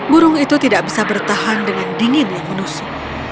burung itu tidak bisa bertahan dengan dingin yang menusuk